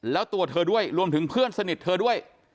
แล้วตัวเธอด้วยรวมถึงเพื่อนสนิทเธอด้วย